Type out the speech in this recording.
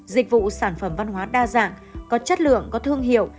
dịch vụ sản phẩm văn hóa đa dạng có chất lượng có thương hiệu